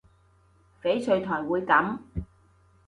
翡翠台會噉